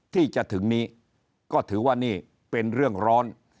ที่จะถึงนี้ก็ถือว่านี่เป็นเรื่องร้อน